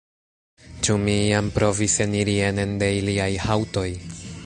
Ĉu mi iam provis eniri enen de iliaj haŭtoj?